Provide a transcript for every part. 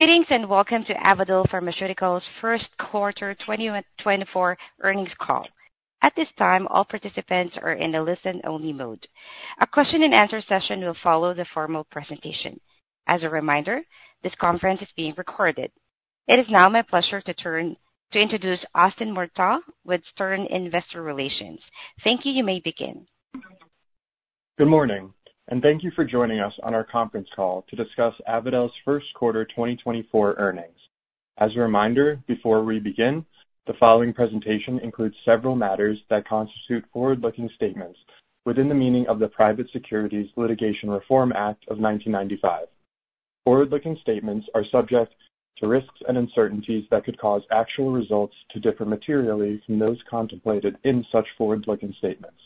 Good evening and welcome to Avadel Pharmaceuticals' first quarter 2024 earnings call. At this time, all participants are in a listen-only mode. A question-and-answer session will follow the formal presentation. As a reminder, this conference is being recorded. It is now my pleasure to introduce Austin Murtagh with Stern Investor Relations. Thank you, you may begin. Good morning, and thank you for joining us on our conference call to discuss Avadel's first quarter 2024 earnings. As a reminder, before we begin, the following presentation includes several matters that constitute forward-looking statements within the meaning of the Private Securities Litigation Reform Act of 1995. Forward-looking statements are subject to risks and uncertainties that could cause actual results to differ materially from those contemplated in such forward-looking statements.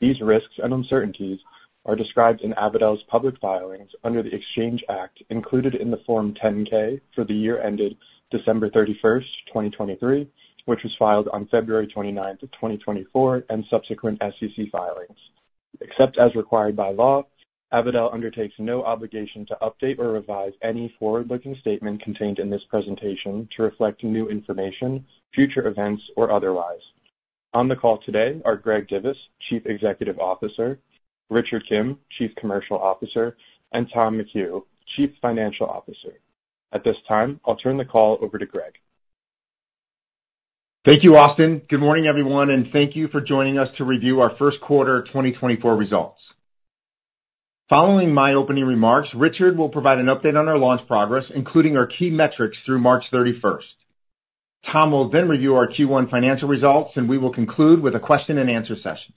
These risks and uncertainties are described in Avadel's public filings under the Exchange Act included in the Form 10-K for the year ended December 31, 2023, which was filed on February 29, 2024, and subsequent SEC filings. Except as required by law, Avadel undertakes no obligation to update or revise any forward-looking statement contained in this presentation to reflect new information, future events, or otherwise. On the call today are Greg Divis, Chief Executive Officer, Richard Kim, Chief Commercial Officer, and Tom McHugh, Chief Financial Officer. At this time, I'll turn the call over to Greg. Thank you, Austin. Good morning, everyone, and thank you for joining us to review our first quarter 2024 results. Following my opening remarks, Richard will provide an update on our launch progress, including our key metrics through March 31. Tom will then review our Q1 financial results, and we will conclude with a question-and-answer session.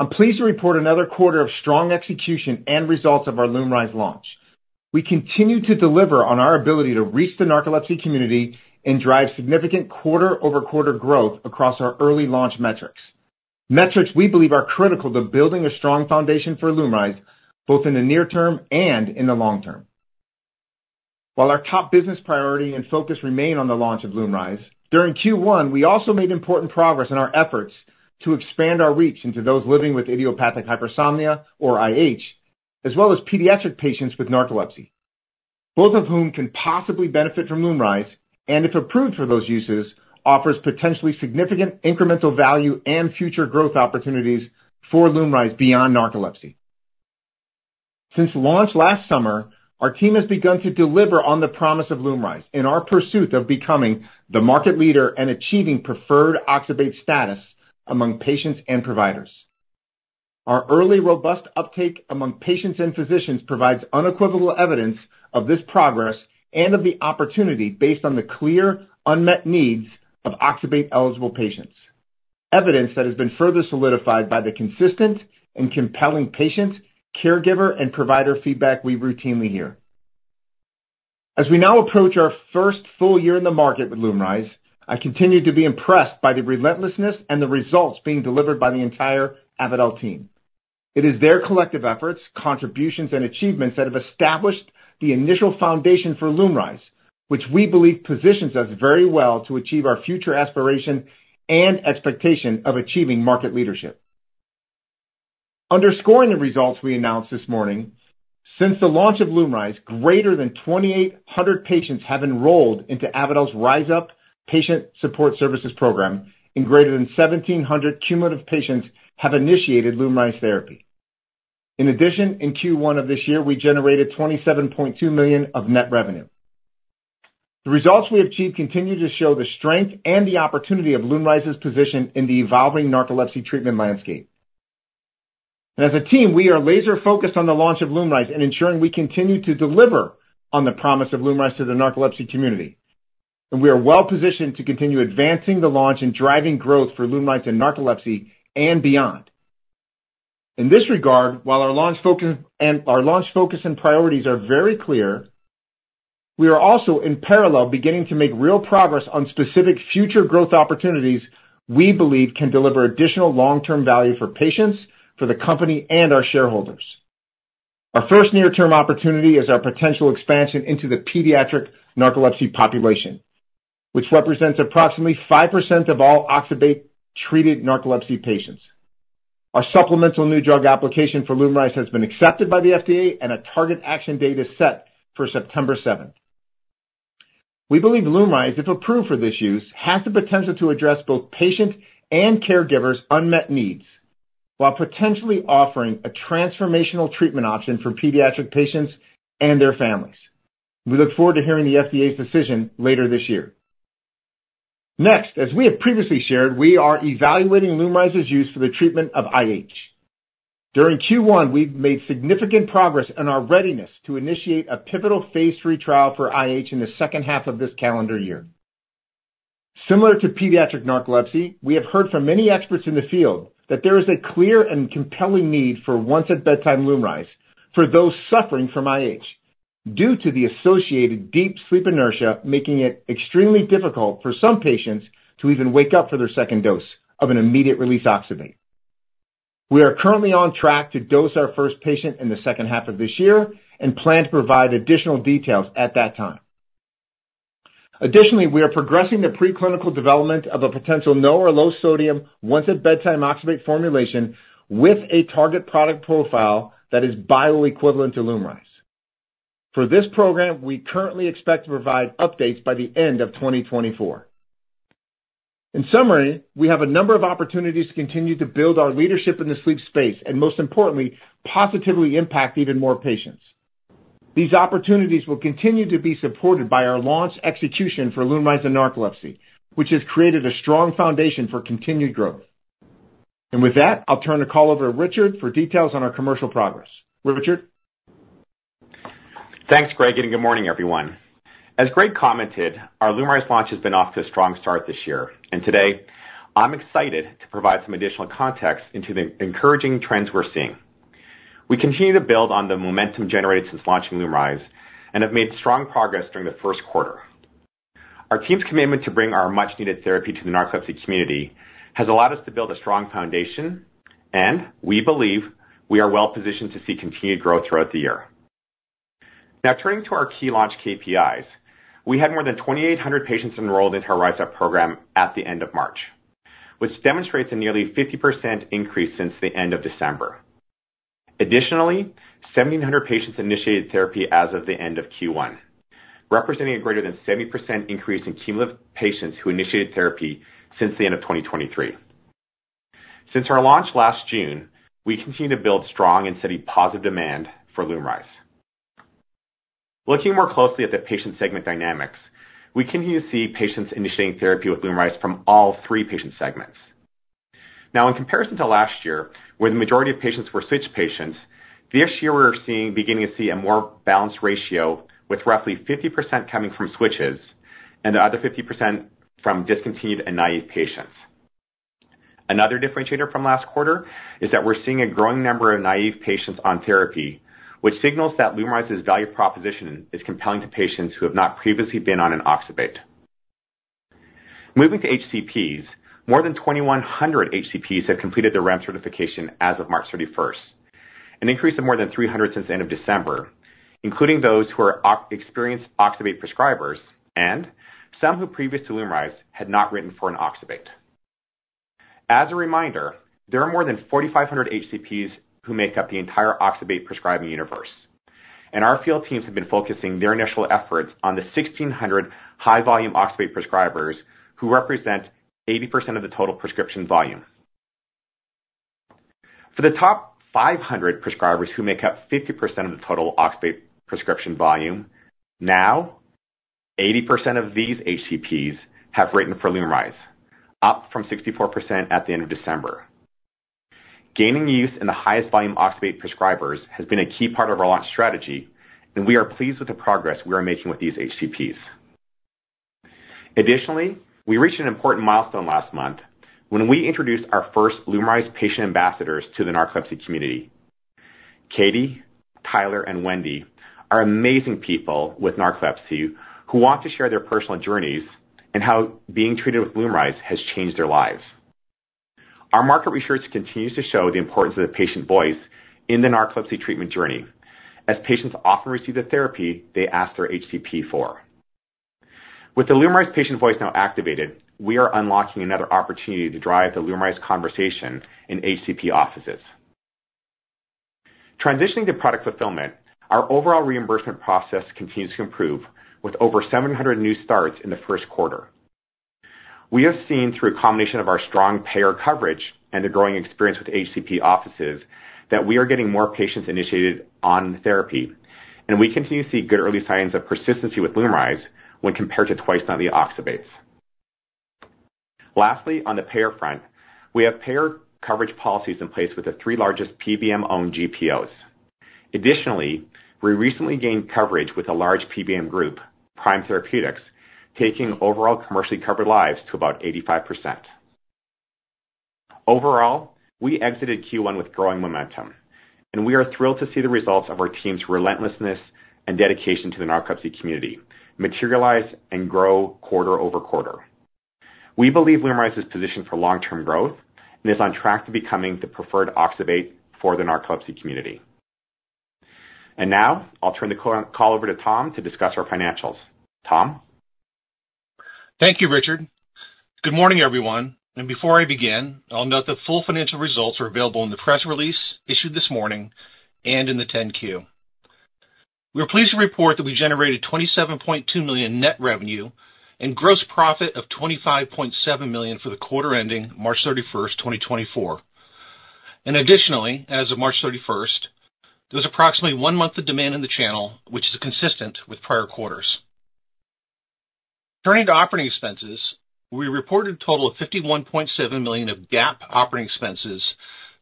I'm pleased to report another quarter of strong execution and results of our LUMRYZ launch. We continue to deliver on our ability to reach the narcolepsy community and drive significant quarter-over-quarter growth across our early launch metrics, metrics we believe are critical to building a strong foundation for LUMRYZ both in the near term and in the long term. While our top business priority and focus remain on the launch of LUMRYZ, during Q1 we also made important progress in our efforts to expand our reach into those living with idiopathic hypersomnia, or IH, as well as pediatric patients with narcolepsy, both of whom can possibly benefit from LUMRYZ and, if approved for those uses, offers potentially significant incremental value and future growth opportunities for LUMRYZ beyond narcolepsy. Since launch last summer, our team has begun to deliver on the promise of LUMRYZ in our pursuit of becoming the market leader and achieving preferred oxybate status among patients and providers. Our early, robust uptake among patients and physicians provides unequivocal evidence of this progress and of the opportunity based on the clear, unmet needs of oxybate-eligible patients, evidence that has been further solidified by the consistent and compelling patient, caregiver, and provider feedback we routinely hear. As we now approach our first full year in the market with LUMRYZ, I continue to be impressed by the relentlessness and the results being delivered by the entire Avadel team. It is their collective efforts, contributions, and achievements that have established the initial foundation for LUMRYZ, which we believe positions us very well to achieve our future aspiration and expectation of achieving market leadership. Underscoring the results we announced this morning, since the launch of LUMRYZ, greater than 2,800 patients have enrolled into Avadel's RYZUP Patient Support Services, and greater than 1,700 cumulative patients have initiated LUMRYZ therapy. In addition, in Q1 of this year, we generated $27.2 million of net revenue. The results we achieved continue to show the strength and the opportunity of LUMRYZ's position in the evolving narcolepsy treatment landscape. As a team, we are laser-focused on the launch of LUMRYZ and ensuring we continue to deliver on the promise of LUMRYZ to the narcolepsy community. We are well positioned to continue advancing the launch and driving growth for LUMRYZ in narcolepsy and beyond. In this regard, while our launch focus and priorities are very clear, we are also in parallel beginning to make real progress on specific future growth opportunities we believe can deliver additional long-term value for patients, for the company, and our shareholders. Our first near-term opportunity is our potential expansion into the pediatric narcolepsy population, which represents approximately 5% of all oxybate-treated narcolepsy patients. Our supplemental new drug application for LUMRYZ has been accepted by the FDA and a target action date is set for September 7. We believe LUMRYZ, if approved for this use, has the potential to address both patient and caregiver's unmet needs while potentially offering a transformational treatment option for pediatric patients and their families. We look forward to hearing the FDA's decision later this year. Next, as we have previously shared, we are evaluating LUMRYZ's use for the treatment of IH. During Q1, we've made significant progress in our readiness to initiate a pivotal phase 3 trial for IH in the second half of this calendar year. Similar to pediatric narcolepsy, we have heard from many experts in the field that there is a clear and compelling need for once-at-bedtime LUMRYZ for those suffering from IH due to the associated deep Sleep Inertia, making it extremely difficult for some patients to even wake up for their second dose of an immediate-release oxybate. We are currently on track to dose our first patient in the second half of this year and plan to provide additional details at that time. Additionally, we are progressing the preclinical development of a potential no or low-sodium once-at-bedtime oxybate formulation with a target product profile that is bioequivalent to LUMRYZ. For this program, we currently expect to provide updates by the end of 2024. In summary, we have a number of opportunities to continue to build our leadership in the sleep space and, most importantly, positively impact even more patients. These opportunities will continue to be supported by our launch execution for LUMRYZ in narcolepsy, which has created a strong foundation for continued growth. With that, I'll turn the call over to Richard for details on our commercial progress. Richard? Thanks, Greg, and good morning, everyone. As Greg commented, our LUMRYZ launch has been off to a strong start this year, and today I'm excited to provide some additional context into the encouraging trends we're seeing. We continue to build on the momentum generated since launching LUMRYZ and have made strong progress during the first quarter. Our team's commitment to bring our much-needed therapy to the narcolepsy community has allowed us to build a strong foundation, and we believe we are well positioned to see continued growth throughout the year. Now, turning to our key launch KPIs, we had more than 2,800 patients enrolled into our RYZUP program at the end of March, which demonstrates a nearly 50% increase since the end of December. Additionally, 1,700 patients initiated therapy as of the end of Q1, representing a greater than 70% increase in cumulative patients who initiated therapy since the end of 2023. Since our launch last June, we continue to build strong and steady positive demand for LUMRYZ. Looking more closely at the patient segment dynamics, we continue to see patients initiating therapy with LUMRYZ from all three patient segments. Now, in comparison to last year, where the majority of patients were switch patients, this year we're beginning to see a more balanced ratio, with roughly 50% coming from switches and the other 50% from discontinued and naive patients. Another differentiator from last quarter is that we're seeing a growing number of naive patients on therapy, which signals that LUMRYZ's value proposition is compelling to patients who have not previously been on an oxybate. Moving to HCPs, more than 2,100 HCPs have completed the REMS certification as of March 31, an increase of more than 300 since the end of December, including those who are experienced oxybate prescribers and some who, previous to LUMRYZ, had not written for an oxybate. As a reminder, there are more than 4,500 HCPs who make up the entire oxybate prescribing universe, and our field teams have been focusing their initial efforts on the 1,600 high-volume oxybate prescribers who represent 80% of the total prescription volume. For the top 500 prescribers who make up 50% of the total oxybate prescription volume, now 80% of these HCPs have written for LUMRYZ, up from 64% at the end of December. Gaining use in the highest volume oxybate prescribers has been a key part of our launch strategy, and we are pleased with the progress we are making with these HCPs. Additionally, we reached an important milestone last month when we introduced our first LUMRYZ patient ambassadors to the narcolepsy community. Katie, Tyler, and Wendy are amazing people with narcolepsy who want to share their personal journeys and how being treated with LUMRYZ has changed their lives. Our market research continues to show the importance of the patient voice in the narcolepsy treatment journey. As patients often receive the therapy they ask their HCP for. With the LUMRYZ patient voice now activated, we are unlocking another opportunity to drive the LUMRYZ conversation in HCP offices. Transitioning to product fulfillment, our overall reimbursement process continues to improve, with over 700 new starts in the first quarter. We have seen, through a combination of our strong payer coverage and the growing experience with HCP offices, that we are getting more patients initiated on therapy, and we continue to see good early signs of persistency with LUMRYZ when compared to twice-nightly oxybates. Lastly, on the payer front, we have payer coverage policies in place with the three largest PBM-owned GPOs. Additionally, we recently gained coverage with a large PBM group, Prime Therapeutics, taking overall commercially covered lives to about 85%. Overall, we exited Q1 with growing momentum, and we are thrilled to see the results of our team's relentlessness and dedication to the narcolepsy community materialize and grow quarter-over-quarter. We believe LUMRYZ is positioned for long-term growth and is on track to becoming the preferred oxybate for the narcolepsy community. And now, I'll turn the call over to Tom to discuss our financials. Tom? Thank you, Richard. Good morning, everyone. And before I begin, I'll note that full financial results are available in the press release issued this morning and in the 10-Q. We are pleased to report that we generated $27.2 million net revenue and gross profit of $25.7 million for the quarter ending March 31, 2024. And additionally, as of March 31, there was approximately one month of demand in the channel, which is consistent with prior quarters. Turning to operating expenses, we reported a total of $51.7 million of GAAP operating expenses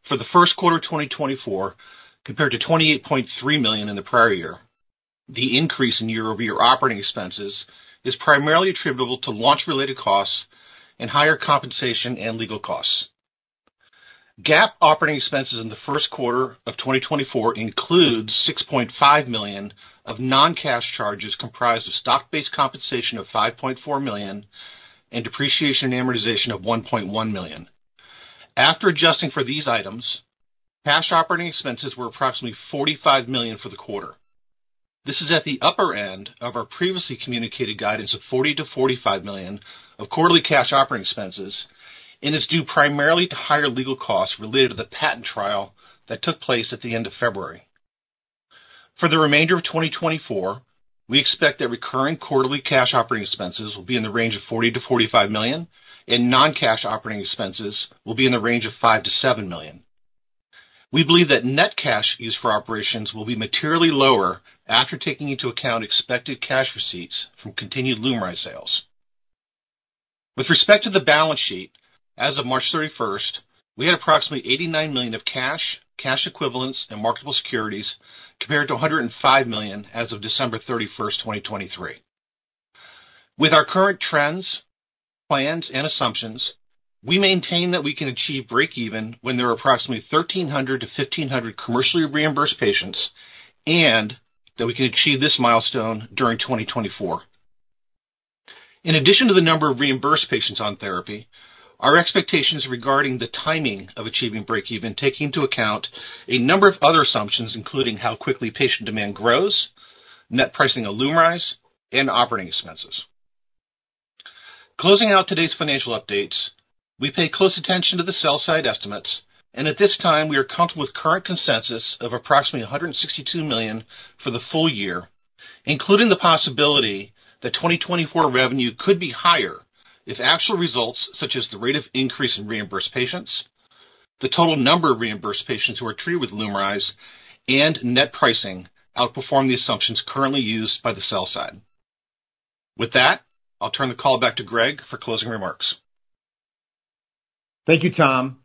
for the first quarter of 2024 compared to $28.3 million in the prior year. The increase in year-over-year operating expenses is primarily attributable to launch-related costs and higher compensation and legal costs. GAAP operating expenses in the first quarter of 2024 include $6.5 million of non-cash charges comprised of stock-based compensation of $5.4 million and depreciation and amortization of $1.1 million. After adjusting for these items, cash operating expenses were approximately $45 million for the quarter. This is at the upper end of our previously communicated guidance of $40 million-$45 million of quarterly cash operating expenses, and it's due primarily to higher legal costs related to the patent trial that took place at the end of February. For the remainder of 2024, we expect that recurring quarterly cash operating expenses will be in the range of $40 million-$45 million, and non-cash operating expenses will be in the range of $5 million-$7 million. We believe that net cash used for operations will be materially lower after taking into account expected cash receipts from continued LUMRYZ sales. With respect to the balance sheet, as of March 31, we had approximately $89 million of cash, cash equivalents, and marketable securities compared to $105 million as of December 31, 2023. With our current trends, plans, and assumptions, we maintain that we can achieve break-even when there are approximately 1,300-1,500 commercially reimbursed patients and that we can achieve this milestone during 2024. In addition to the number of reimbursed patients on therapy, our expectations regarding the timing of achieving break-even take into account a number of other assumptions, including how quickly patient demand grows, net pricing of LUMRYZ, and operating expenses. Closing out today's financial updates, we pay close attention to the sell-side estimates, and at this time, we are comfortable with current consensus of approximately $162 million for the full year, including the possibility that 2024 revenue could be higher if actual results, such as the rate of increase in reimbursed patients, the total number of reimbursed patients who are treated with LUMRYZ, and net pricing outperform the assumptions currently used by the sell-side. With that, I'll turn the call back to Greg for closing remarks. Thank you, Tom.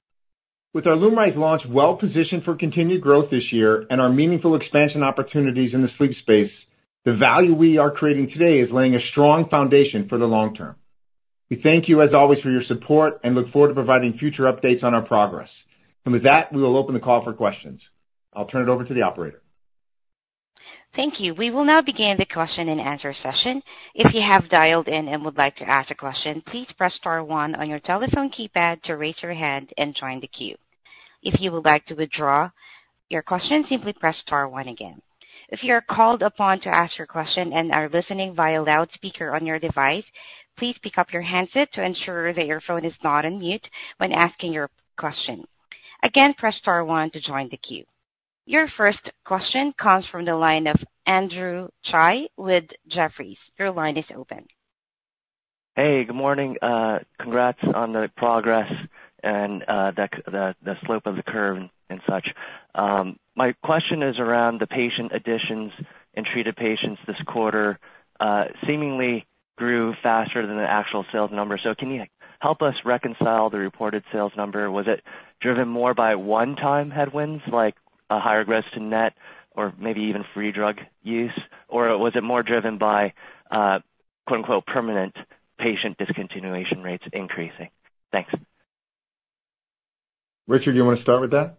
With our LUMRYZ launch well positioned for continued growth this year and our meaningful expansion opportunities in the sleep space, the value we are creating today is laying a strong foundation for the long term. We thank you, as always, for your support and look forward to providing future updates on our progress. And with that, we will open the call for questions. I'll turn it over to the operator. Thank you. We will now begin the question-and-answer session. If you have dialed in and would like to ask a question, please press star one on your telephone keypad to raise your hand and join the queue. If you would like to withdraw your question, simply press star one again. If you are called upon to ask your question and are listening via loudspeaker on your device, please pick up your handset to ensure that your phone is not on mute when asking your question. Again, press star one to join the queue. Your first question comes from the line of Andrew Tsai with Jefferies. Your line is open. Hey, good morning. Congrats on the progress and the slope of the curve and such. My question is around the patient additions and treated patients this quarter seemingly grew faster than the actual sales number. So can you help us reconcile the reported sales number? Was it driven more by one-time headwinds, like a higher gross-to-net or maybe even free drug use, or was it more driven by "permanent" patient discontinuation rates increasing? Thanks. Richard, do you want to start with that?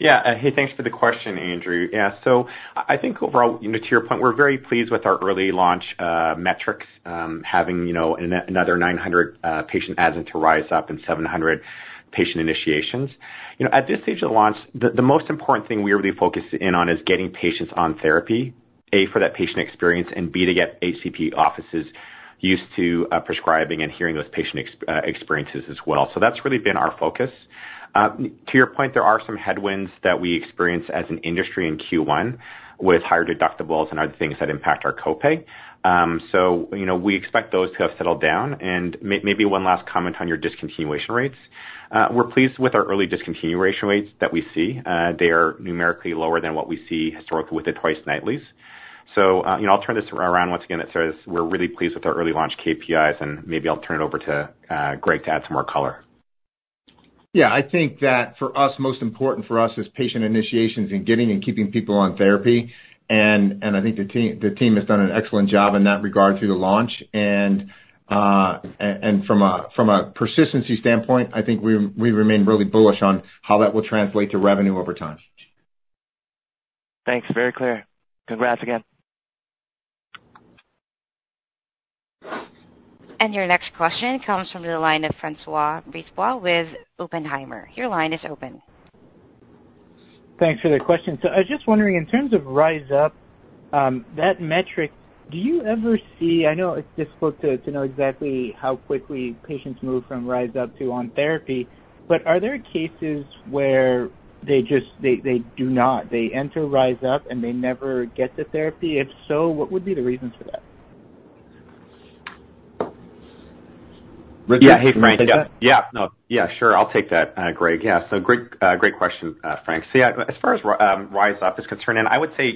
Yeah. Hey, thanks for the question, Andrew. Yeah, so I think overall, to your point, we're very pleased with our early launch metrics, having another 900 patient adds into RYZUP and 700 patient initiations. At this stage of the launch, the most important thing we're really focusing in on is getting patients on therapy, A, for that patient experience, and B, to get HCP offices used to prescribing and hearing those patient experiences as well. So that's really been our focus. To your point, there are some headwinds that we experience as an industry in Q1 with higher deductibles and other things that impact our copay. So we expect those to have settled down. And maybe one last comment on your discontinuation rates. We're pleased with our early discontinuation rates that we see. They are numerically lower than what we see historically with the twice-monthly. I'll turn this around once again to say we're really pleased with our early launch KPIs, and maybe I'll turn it over to Greg to add some more color. Yeah, I think that for us, most important for us is patient initiations and getting and keeping people on therapy. And I think the team has done an excellent job in that regard through the launch. And from a persistency standpoint, I think we remain really bullish on how that will translate to revenue over time. Thanks. Very clear. Congrats again. Your next question comes from the line of François Brisebois with Oppenheimer. Your line is open. Thanks for the question. So I was just wondering, in terms of RYZUP, that metric, do you ever see I know it's difficult to know exactly how quickly patients move from RYZUP to on therapy, but are there cases where they do not? They enter RYZUP and they never get to therapy. If so, what would be the reasons for that? Richard? Yeah, hey, Frank. Yeah, no. Yeah, sure. I'll take that, Greg. Yeah, so great question, Frank. So yeah, as far as RYZUP is concerned, and I would say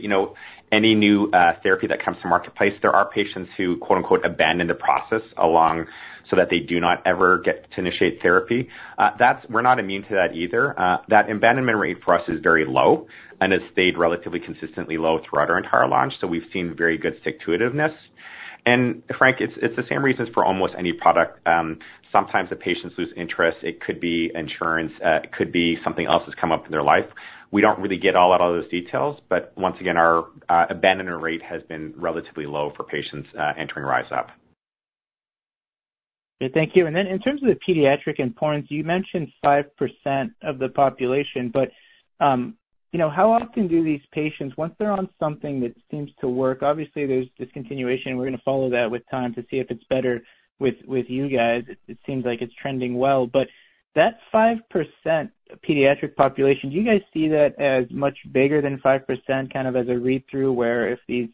any new therapy that comes to marketplace, there are patients who "abandon the process" so that they do not ever get to initiate therapy. We're not immune to that either. That abandonment rate for us is very low and has stayed relatively consistently low throughout our entire launch, so we've seen very good stick-to-itiveness. And Frank, it's the same reasons for almost any product. Sometimes the patients lose interest. It could be insurance. It could be something else has come up in their life. We don't really get all out of those details, but once again, our abandonment rate has been relatively low for patients entering RYZUP. Okay. Thank you. And then in terms of the pediatric importance, you mentioned 5% of the population, but how often do these patients, once they're on something that seems to work obviously, there's discontinuation, and we're going to follow that with time to see if it's better with you guys. It seems like it's trending well. But that 5% pediatric population, do you guys see that as much bigger than 5%, kind of as a read-through where if these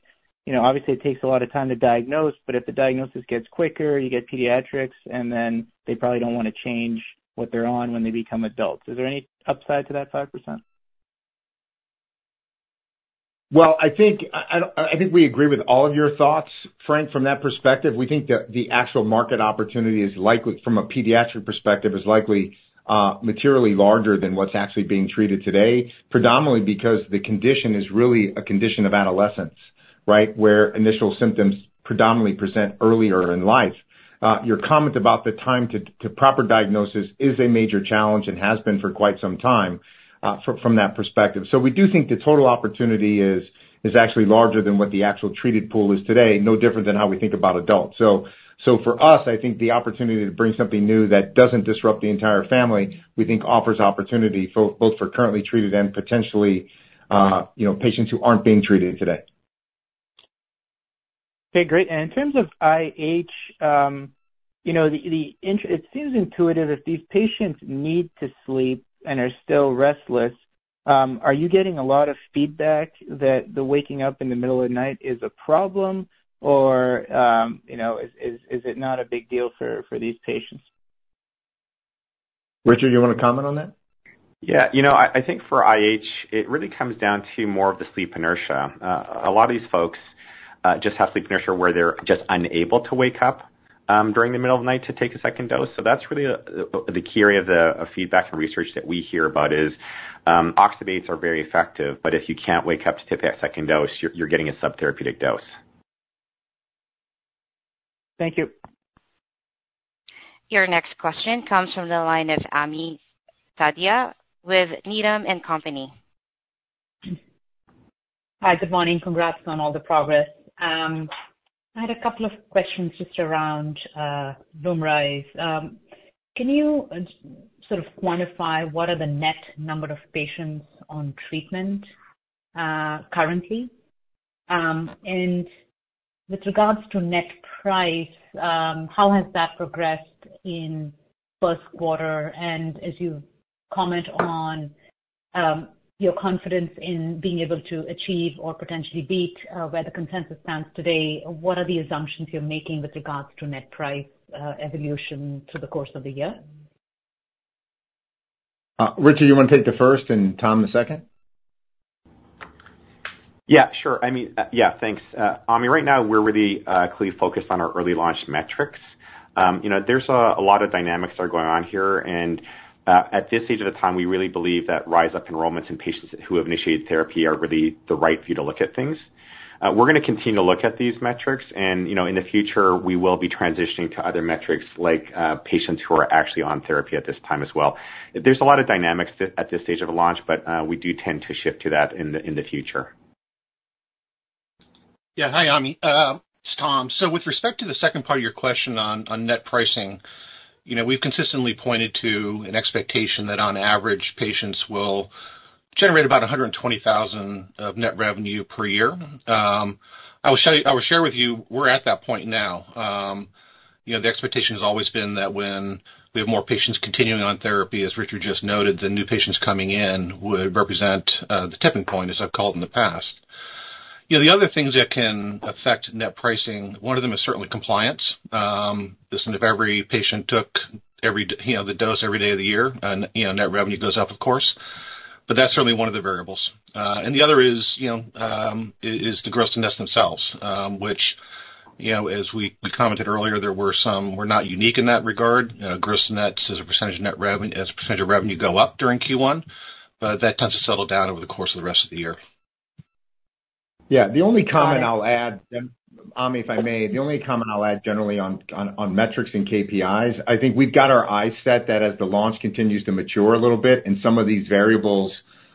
obviously, it takes a lot of time to diagnose, but if the diagnosis gets quicker, you get pediatrics, and then they probably don't want to change what they're on when they become adults? Is there any upside to that 5%? Well, I think we agree with all of your thoughts, Frank. From that perspective, we think that the actual market opportunity is likely, from a pediatric perspective, is likely materially larger than what's actually being treated today, predominantly because the condition is really a condition of adolescence, right, where initial symptoms predominantly present earlier in life. Your comment about the time to proper diagnosis is a major challenge and has been for quite some time from that perspective. So we do think the total opportunity is actually larger than what the actual treated pool is today, no different than how we think about adults. So for us, I think the opportunity to bring something new that doesn't disrupt the entire family, we think, offers opportunity both for currently treated and potentially patients who aren't being treated today. Okay. Great. In terms of IH, it seems intuitive if these patients need to sleep and are still restless. Are you getting a lot of feedback that the waking up in the middle of the night is a problem, or is it not a big deal for these patients? Richard, do you want to comment on that? Yeah. I think for IH, it really comes down to more of the sleep inertia. A lot of these folks just have sleep inertia where they're just unable to wake up during the middle of the night to take a second dose. So that's really the key area of the feedback and research that we hear about is oxybates are very effective, but if you can't wake up to take that second dose, you're getting a subtherapeutic dose. Thank you. Your next question comes from the line of Ami Fadia with Needham & Company. Hi. Good morning. Congrats on all the progress. I had a couple of questions just around LUMRYZ. Can you sort of quantify what are the net number of patients on treatment currently? And with regards to net price, how has that progressed in first quarter? And as you comment on your confidence in being able to achieve or potentially beat where the consensus stands today, what are the assumptions you're making with regards to net price evolution through the course of the year? Richard, do you want to take the first and Tom the second? Yeah, sure. I mean, yeah, thanks. Amy, right now, we're really clearly focused on our early launch metrics. There's a lot of dynamics that are going on here, and at this stage of the time, we really believe that RYZUP enrollments and patients who have initiated therapy are really the right view to look at things. We're going to continue to look at these metrics, and in the future, we will be transitioning to other metrics like patients who are actually on therapy at this time as well. There's a lot of dynamics at this stage of the launch, but we do tend to shift to that in the future. Yeah. Hi, Amy. It's Tom. So with respect to the second part of your question on net pricing, we've consistently pointed to an expectation that, on average, patients will generate about $120,000 of net revenue per year. I will share with you, we're at that point now. The expectation has always been that when we have more patients continuing on therapy, as Richard just noted, the new patients coming in would represent the tipping point, as I've called it in the past. The other things that can affect net pricing, one of them is certainly compliance. Listen, if every patient took the dose every day of the year, net revenue goes up, of course, but that's certainly one of the variables. And the other is the gross nets themselves, which, as we commented earlier, there were some we're not unique in that regard. Gross nets as a percentage of net revenue as a percentage of revenue go up during Q1, but that tends to settle down over the course of the rest of the year. Yeah. The only comment I'll add, Ami, if I may, the only comment I'll add generally on metrics and KPIs. I think we've got our eyes set that as the launch continues to mature a little bit and some of these variables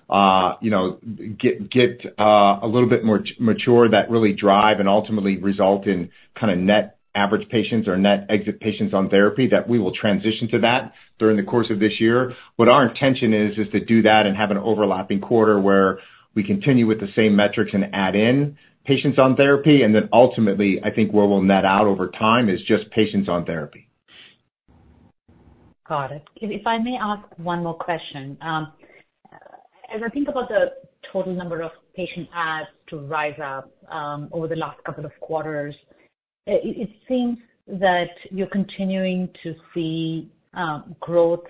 get a little bit more mature that really drive and ultimately result in kind of net average patients or net exit patients on therapy, that we will transition to that during the course of this year. What our intention is is to do that and have an overlapping quarter where we continue with the same metrics and add in patients on therapy. And then ultimately, I think where we'll net out over time is just patients on therapy. Got it. If I may ask one more question. As I think about the total number of patient adds to RYZUP over the last couple of quarters, it seems that you're continuing to see growth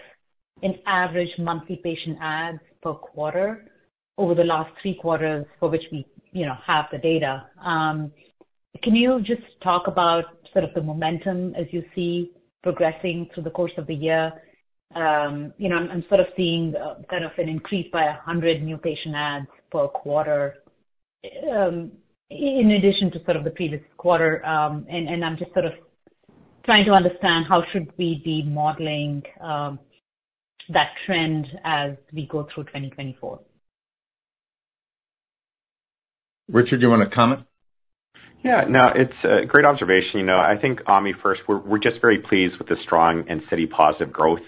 in average monthly patient adds per quarter over the last three quarters for which we have the data. Can you just talk about sort of the momentum as you see progressing through the course of the year? I'm sort of seeing kind of an increase by 100 new patient adds per quarter in addition to sort of the previous quarter. And I'm just sort of trying to understand how should we be modeling that trend as we go through 2024? Richard, do you want to comment? Yeah. No, it's a great observation. I think, Ami, first, we're just very pleased with the strong and steady positive growth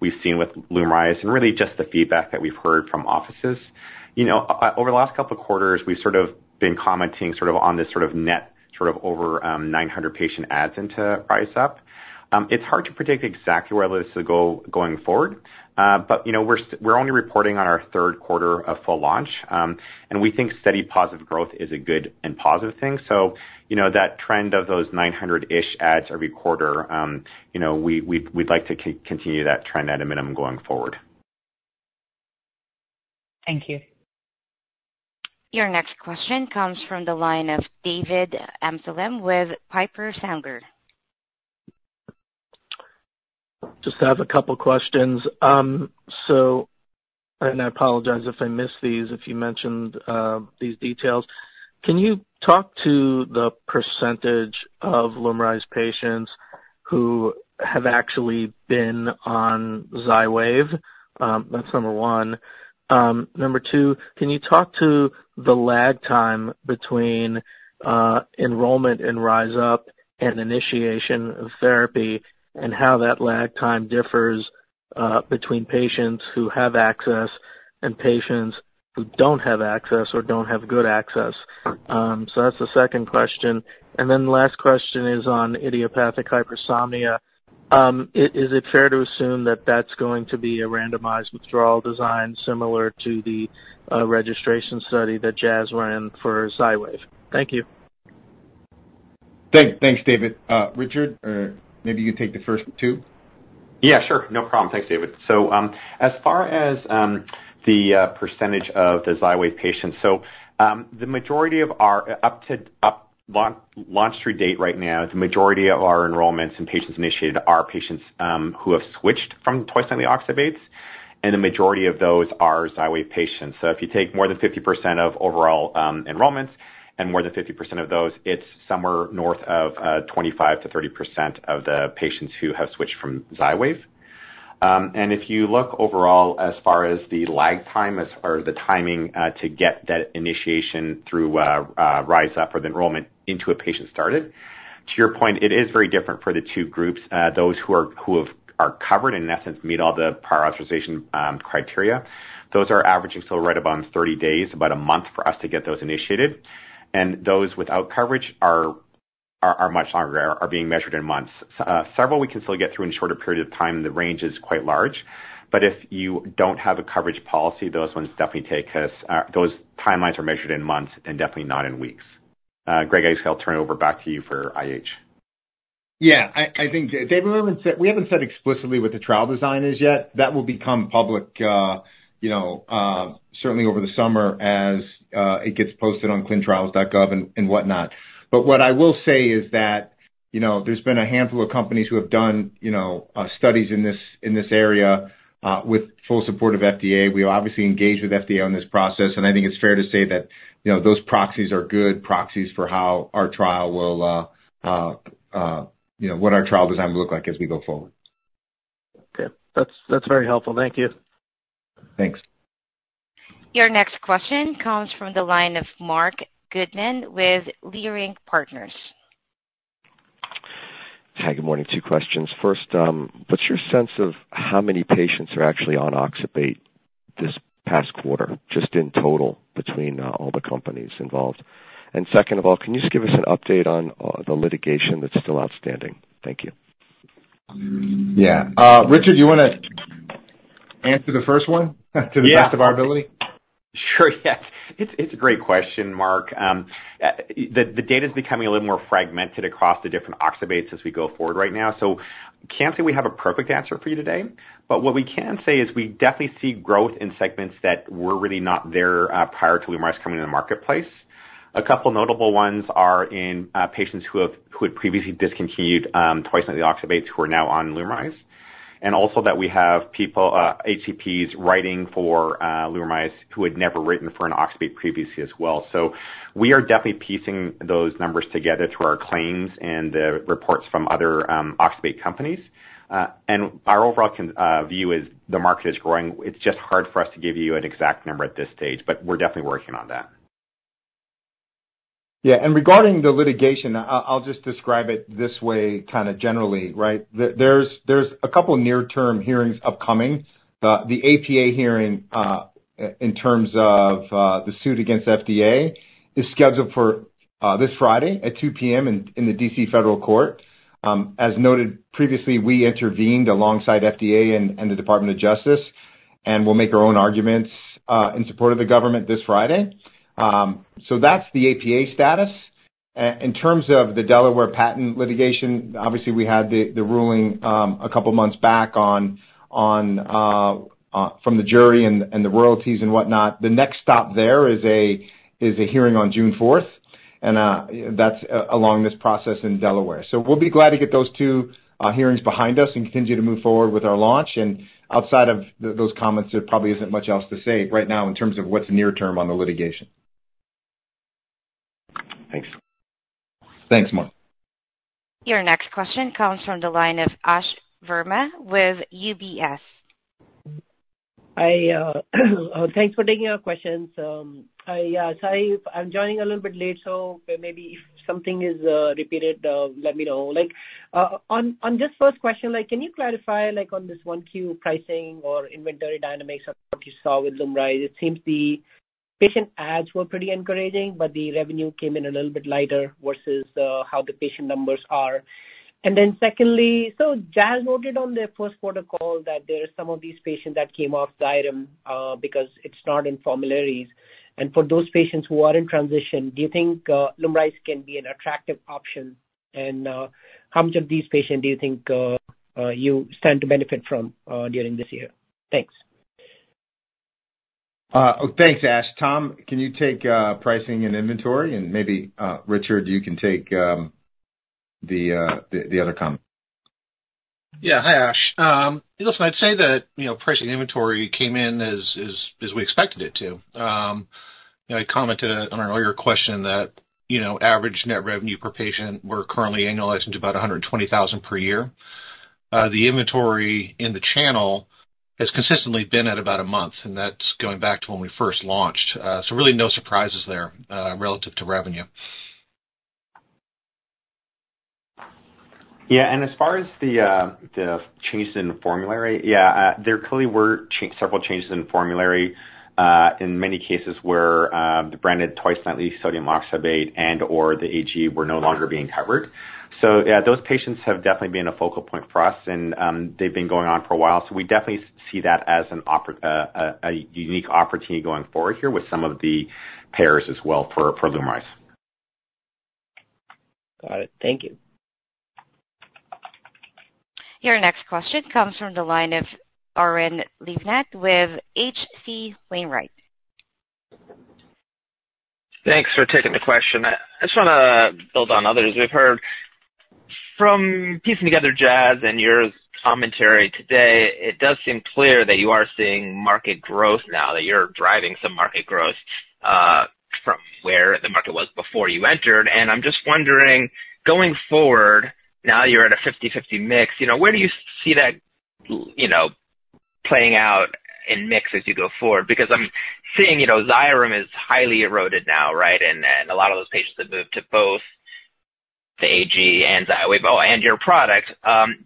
we've seen with LUMRYZ and really just the feedback that we've heard from offices. Over the last couple of quarters, we've sort of been commenting sort of on this sort of net sort of over 900 patient adds into RYZUP. It's hard to predict exactly where that is going forward, but we're only reporting on our third quarter of full launch, and we think steady positive growth is a good and positive thing. So that trend of those 900-ish adds every quarter, we'd like to continue that trend at a minimum going forward. Thank you. Your next question comes from the line of David Amsellem with Piper Sandler. Just to have a couple of questions. I apologize if I missed these if you mentioned these details. Can you talk to the percentage of LUMRYZ patients who have actually been on Xywav? That's number one. Number two, can you talk to the lag time between enrollment in RYZUP and initiation of therapy and how that lag time differs between patients who have access and patients who don't have access or don't have good access? That's the second question. Then the last question is on idiopathic hypersomnia. Is it fair to assume that that's going to be a randomized withdrawal design similar to the registration study that Jazz ran for Xywav? Thank you. Thanks, David. Richard, maybe you could take the first two. Yeah, sure. No problem. Thanks, David. So as far as the percentage of the Xywav patients, so the majority of our up to launch-through date right now, the majority of our enrollments and patients initiated are patients who have switched from twice-monthly oxybates, and the majority of those are Xywav patients. So if you take more than 50% of overall enrollments and more than 50% of those, it's somewhere north of 25%-30% of the patients who have switched from Xywav. And if you look overall as far as the lag time or the timing to get that initiation through RYZUP or the enrollment into a patient started, to your point, it is very different for the two groups. Those who are covered, in essence, meet all the prior authorization criteria. Those are averaging still right above 30 days, about a month for us to get those initiated. And those without coverage are much longer, are being measured in months. Several we can still get through in a shorter period of time. The range is quite large. But if you don't have a coverage policy, those ones definitely take us those timelines are measured in months and definitely not in weeks. Greg, I guess I'll turn it over back to you for IH. Yeah. I think, David, we haven't said explicitly what the trial design is yet. That will become public, certainly over the summer as it gets posted on clinicaltrials.gov and whatnot. But what I will say is that there's been a handful of companies who have done studies in this area with full support of FDA. We obviously engage with FDA on this process, and I think it's fair to say that those proxies are good proxies for how our trial will what our trial design will look like as we go forward. Okay. That's very helpful. Thank you. Thanks. Your next question comes from the line of Marc Goodman with Leerink Partners. Hi. Good morning. Two questions. First, what's your sense of how many patients are actually on oxybate this past quarter, just in total between all the companies involved? And second of all, can you just give us an update on the litigation that's still outstanding? Thank you. Yeah. Richard, do you want to answer the first one to the best of our ability? Sure. Yes. It's a great question, Mark. The data is becoming a little more fragmented across the different oxybates as we go forward right now. So I can't say we have a perfect answer for you today, but what we can say is we definitely see growth in segments that were really not there prior to LUMRYZ coming to the marketplace. A couple of notable ones are in patients who had previously discontinued twice-monthly oxybates who are now on LUMRYZ. And also that we have people, HCPs, writing for LUMRYZ who had never written for an oxybate previously as well. So we are definitely piecing those numbers together through our claims and the reports from other oxybate companies. And our overall view is the market is growing. It's just hard for us to give you an exact number at this stage, but we're definitely working on that. Yeah. And regarding the litigation, I'll just describe it this way kind of generally, right? There's a couple of near-term hearings upcoming. The APA hearing in terms of the suit against FDA is scheduled for this Friday at 2:00 P.M. in the D.C. Federal Court. As noted previously, we intervened alongside FDA and the Department of Justice and will make our own arguments in support of the government this Friday. So that's the APA status. In terms of the Delaware patent litigation, obviously, we had the ruling a couple of months back from the jury and the royalties and whatnot. The next stop there is a hearing on June 4th, and that's along this process in Delaware. So we'll be glad to get those two hearings behind us and continue to move forward with our launch. Outside of those comments, there probably isn't much else to say right now in terms of what's near-term on the litigation. Thanks. Thanks, Mark. Your next question comes from the line of Ash Verma with UBS. Thanks for taking our questions. Yeah. Sorry, I'm joining a little bit late, so maybe if something is repeated, let me know. On this first question, can you clarify on this 1Q pricing or inventory dynamics or what you saw with LUMRYZ? It seems the patient adds were pretty encouraging, but the revenue came in a little bit lighter versus how the patient numbers are. And then secondly, so Jazz noted on their first quarter call that there are some of these patients that came off Xyrem because it's not in formularies. And for those patients who are in transition, do you think LUMRYZ can be an attractive option? And how much of these patients do you think you stand to benefit from during this year? Thanks. Thanks, Ash. Tom, can you take pricing and inventory? Maybe, Richard, you can take the other comment. Yeah. Hi, Ash. Listen, I'd say that pricing and inventory came in as we expected it to. I commented on an earlier question that average net revenue per patient, we're currently annualizing to about $120,000 per year. The inventory in the channel has consistently been at about a month, and that's going back to when we first launched. So really no surprises there relative to revenue. Yeah. And as far as the changes in the formulary, yeah, there clearly were several changes in the formulary in many cases where the branded twice-nightly sodium oxybate and/or the AG were no longer being covered. So yeah, those patients have definitely been a focal point for us, and they've been going on for a while. So we definitely see that as a unique opportunity going forward here with some of the payers as well for LUMRYZ. Got it. Thank you. Your next question comes from the line of Oren Livnat with H.C. Wainwright. Thanks for taking the question. I just want to build on others. From piecing together Jazz and your commentary today, it does seem clear that you are seeing market growth now, that you're driving some market growth from where the market was before you entered. And I'm just wondering, going forward, now you're at a 50/50 mix, where do you see that playing out in mix as you go forward? Because I'm seeing Xyrem is highly eroded now, right? And a lot of those patients have moved to both the AG and Xywav and your product.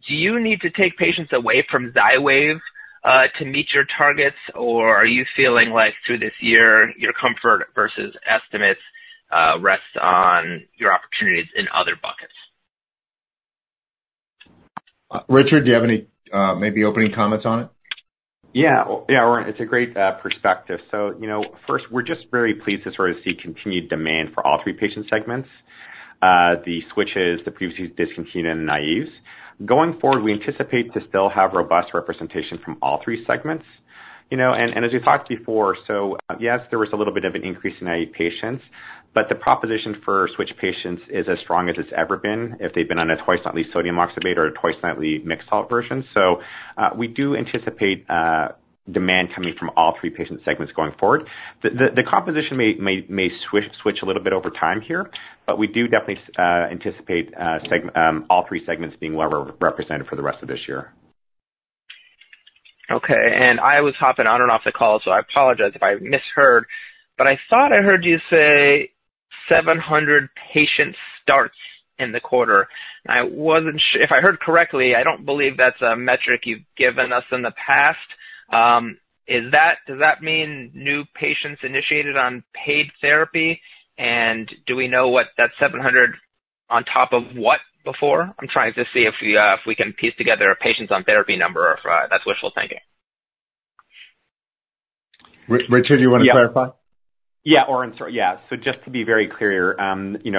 Do you need to take patients away from Xywav to meet your targets, or are you feeling like through this year, your comfort versus estimates rests on your opportunities in other buckets? Richard, do you have any maybe opening comments on it? Yeah. Yeah, Warren, it's a great perspective. So first, we're just very pleased to sort of see continued demand for all three patient segments, the switches, the previously discontinued, and the naïves. Going forward, we anticipate to still have robust representation from all three segments. And as we talked before, so yes, there was a little bit of an increase in naïve patients, but the proposition for switch patients is as strong as it's ever been if they've been on a twice-monthly sodium oxybate or a twice-monthly mixed salt version. So we do anticipate demand coming from all three patient segments going forward. The composition may switch a little bit over time here, but we do definitely anticipate all three segments being well represented for the rest of this year. Okay. And I was hopping on and off the call, so I apologize if I misheard. But I thought I heard you say 700 patient starts in the quarter. If I heard correctly, I don't believe that's a metric you've given us in the past. Does that mean new patients initiated on paid therapy? And do we know what that 700 on top of what before? I'm trying to see if we can piece together a patient's on therapy number if that's wishful thinking. Richard, do you want to clarify? Yeah. Yeah, Warren. Yeah. So just to be very clear,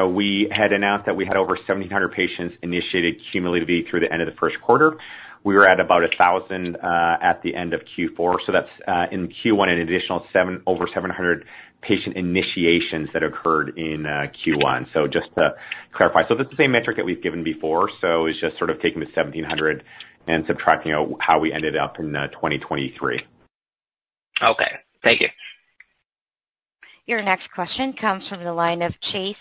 we had announced that we had over 1,700 patients initiated cumulatively through the end of the first quarter. We were at about 1,000 at the end of Q4. So that's in Q1, an additional over 700 patient initiations that occurred in Q1. So just to clarify, so this is the same metric that we've given before. So it's just sort of taking the 1,700 and subtracting out how we ended up in 2023. Okay. Thank you. Your next question comes from the line of Chase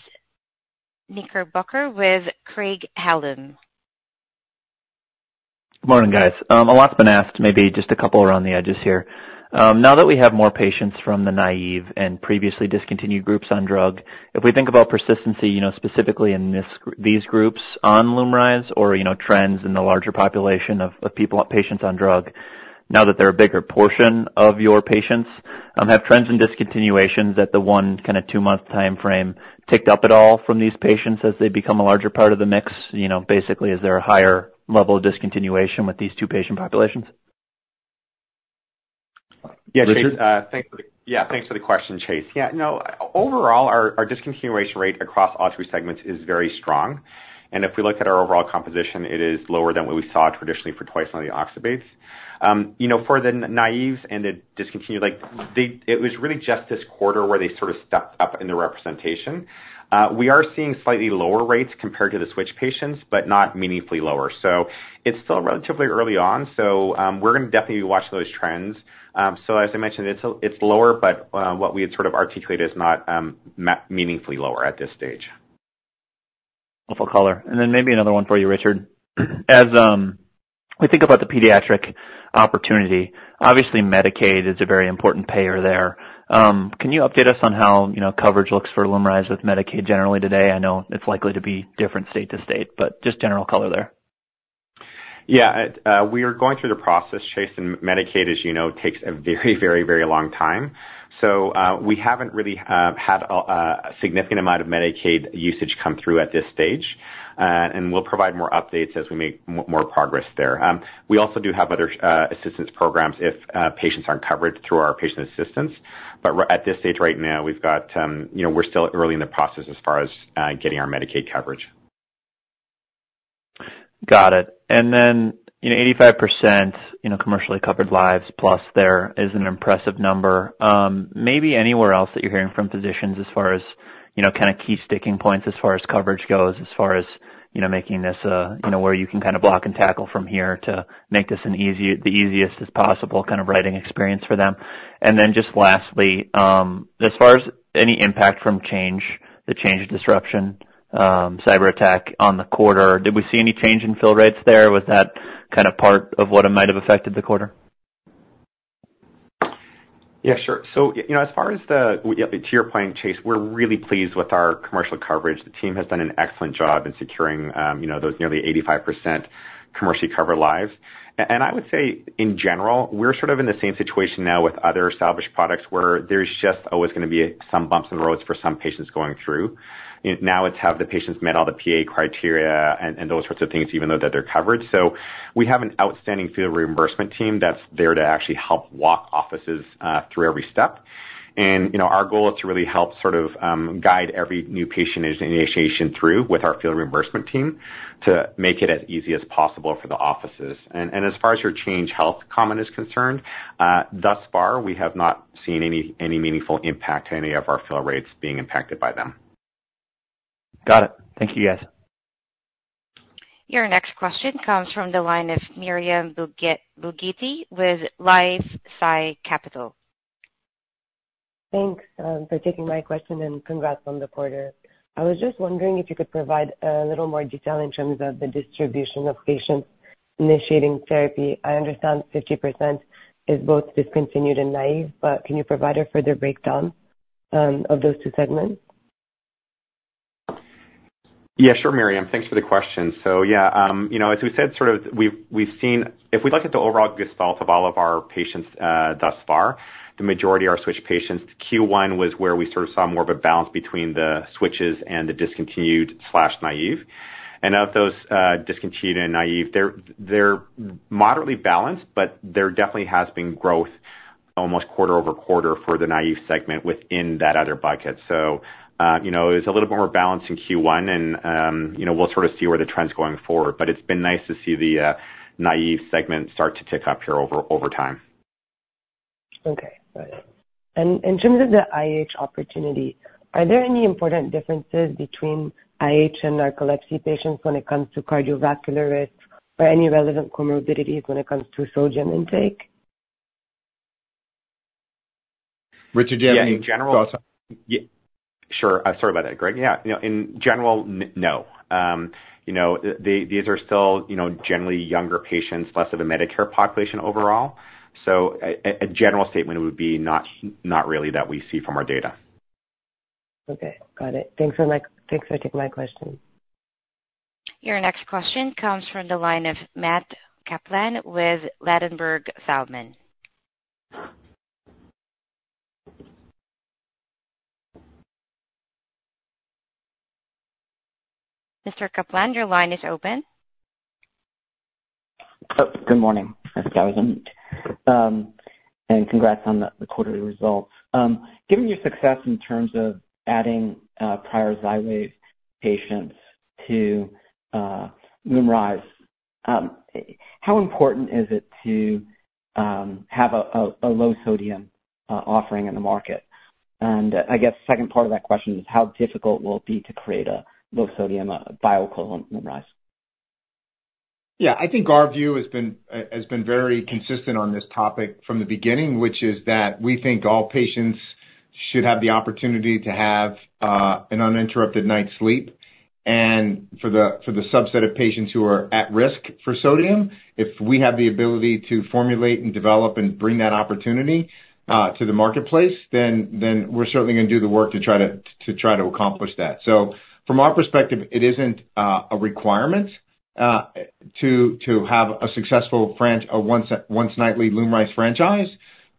Knickerbocker with Craig-Hallum Capital Group. Good morning, guys. A lot's been asked, maybe just a couple around the edges here. Now that we have more patients from the naïve and previously discontinued groups on drug, if we think about persistency specifically in these groups on LUMRYZ or trends in the larger population of patients on drug, now that they're a bigger portion of your patients, have trends and discontinuations at the one kind of two-month timeframe ticked up at all from these patients as they become a larger part of the mix? Basically, is there a higher level of discontinuation with these two patient populations? Yeah, Chase. Yeah, thanks for the question, Chase. Yeah. Overall, our discontinuation rate across all three segments is very strong. And if we look at our overall composition, it is lower than what we saw traditionally for twice-monthly oxybates. For the naïves and the discontinued, it was really just this quarter where they sort of stepped up in their representation. We are seeing slightly lower rates compared to the switch patients, but not meaningfully lower. So it's still relatively early on, so we're going to definitely be watching those trends. So as I mentioned, it's lower, but what we had sort of articulated is not meaningfully lower at this stage. right, caller. And then maybe another one for you, Richard. As we think about the pediatric opportunity, obviously, Medicaid is a very important payer there. Can you update us on how coverage looks for LUMRYZ with Medicaid generally today? I know it's likely to be different state to state, but just general color there. Yeah. We are going through the process, Chase. Medicaid, as you know, takes a very, very, very long time. We haven't really had a significant amount of Medicaid usage come through at this stage, and we'll provide more updates as we make more progress there. We also do have other assistance programs if patients aren't covered through our patient assistance. But at this stage right now, we're still early in the process as far as getting our Medicaid coverage. Got it. And then 85% commercially covered lives, plus there is an impressive number. Maybe anywhere else that you're hearing from physicians as far as kind of key sticking points as far as coverage goes, as far as making this where you can kind of block and tackle from here to make this the easiest as possible kind of writing experience for them. And then just lastly, as far as any impact from Change Healthcare, the Change Healthcare disruption, cyberattack on the quarter, did we see any change in fill rates there? Was that kind of part of what might have affected the quarter? Yeah, sure. So as far as that, to your point, Chase, we're really pleased with our commercial coverage. The team has done an excellent job in securing those nearly 85% commercially covered lives. And I would say, in general, we're sort of in the same situation now with other established products where there's just always going to be some bumps in the roads for some patients going through. Now it's have the patients met all the PA criteria and those sorts of things, even though that they're covered. So we have an outstanding field reimbursement team that's there to actually help walk offices through every step. And our goal is to really help sort of guide every new patient initiation through with our field reimbursement team to make it as easy as possible for the offices. As far as your Change Healthcare comment is concerned, thus far, we have not seen any meaningful impact to any of our fill rates being impacted by them. Got it. Thank you, guys. Your next question comes from the line of Myriam Belghiti with LifeSci Capital. Thanks for taking my question, and congrats on the quarter. I was just wondering if you could provide a little more detail in terms of the distribution of patients initiating therapy. I understand 50% is both discontinued and naive, but can you provide a further breakdown of those two segments? Yeah, sure, Myriam. Thanks for the question. So yeah, as we said, sort of we've seen if we look at the overall gestalt of all of our patients thus far, the majority are switch patients. Q1 was where we sort of saw more of a balance between the switches and the discontinued/naive. And of those discontinued and naive, they're moderately balanced, but there definitely has been growth almost quarter-over-quarter for the naive segment within that other bucket. So it was a little bit more balanced in Q1, and we'll sort of see where the trend's going forward. But it's been nice to see the naive segment start to tick up here over time. Okay. Got it. And in terms of the IH opportunity, are there any important differences between IH and narcolepsy patients when it comes to cardiovascular risk or any relevant comorbidities when it comes to sodium intake? Richard, do you have any thoughts on? Yeah. Sure. Sorry about that, Greg. Yeah. In general, no. These are still generally younger patients, less of a Medicare population overall. So a general statement would be not really that we see from our data. Okay. Got it. Thanks for taking my question. Your next question comes from the line of Matt Kaplan with Ladenburg Thalmann. Mr. Kaplan, your line is open. Good morning, Mr. Kaplan. Congrats on the quarterly results. Given your success in terms of adding prior Xywav patients to LUMRYZ, how important is it to have a low-sodium offering in the market? I guess second part of that question is how difficult will it be to create a low-sodium bioequivalent LUMRYZ? Yeah. I think our view has been very consistent on this topic from the beginning, which is that we think all patients should have the opportunity to have an uninterrupted night's sleep. And for the subset of patients who are at risk for sodium, if we have the ability to formulate and develop and bring that opportunity to the marketplace, then we're certainly going to do the work to try to accomplish that. So from our perspective, it isn't a requirement to have a successful once-nightly LUMRYZ franchise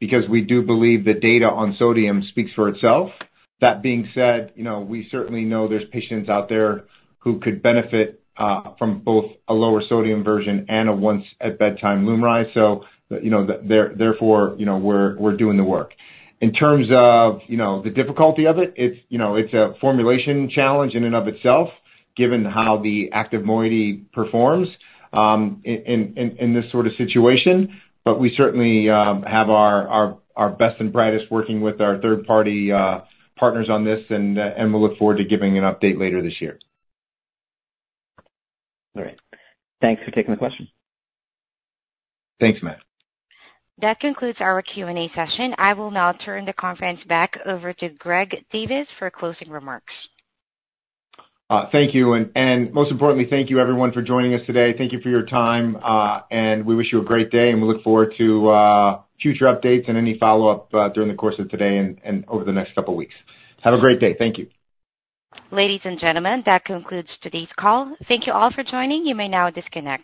because we do believe the data on sodium speaks for itself. That being said, we certainly know there's patients out there who could benefit from both a lower sodium version and a once-at-bedtime LUMRYZ. So therefore, we're doing the work. In terms of the difficulty of it, it's a formulation challenge in and of itself given how the active moiety performs in this sort of situation. But we certainly have our best and brightest working with our third-party partners on this, and we'll look forward to giving an update later this year. All right. Thanks for taking the question. Thanks, Matt. That concludes our Q&A session. I will now turn the conference back over to Greg Divis for closing remarks. Thank you. Most importantly, thank you, everyone, for joining us today. Thank you for your time. We wish you a great day, and we look forward to future updates and any follow-up during the course of today and over the next couple of weeks. Have a great day. Thank you. Ladies and gentlemen, that concludes today's call. Thank you all for joining. You may now disconnect.